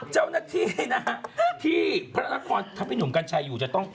เจ้าหน้าที่นะฮะที่พระนครถ้าพี่หนุ่มกัญชัยอยู่จะต้อง